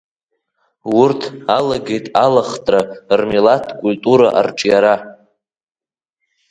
Урҭ алагеит алахтра, рмилаҭ культура арҿиара.